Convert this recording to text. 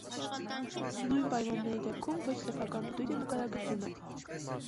Նույն պայմանների դեպքում ոչ սեփական պտույտը նկարագրվում է։